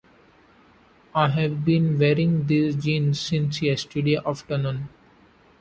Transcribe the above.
I have been wearing these jeans since yesterday afternoon!